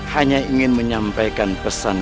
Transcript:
hanya ingin menyampaikan pesan